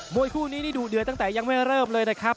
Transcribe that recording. วยคู่นี้นี่ดูเดือดตั้งแต่ยังไม่เริ่มเลยนะครับ